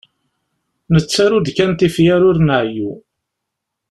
Nettaru-d kan tifyar ur nɛeyyu.